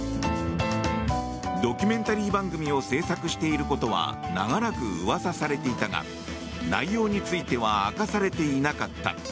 ドキュメンタリー番組を制作していることは長らく噂されていたが内容については明かされていなかった。